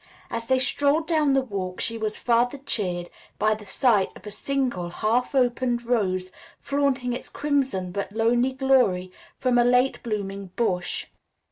As they strolled down the walk she was further cheered by the sight of a single, half opened rose, flaunting its crimson but lonely glory from a late blooming bush.